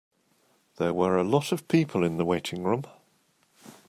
There were a lot of people in the waiting room.